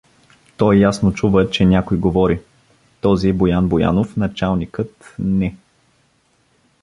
Той ясно чува, че някой говори: „Този е Боян Боянов, началникът… не!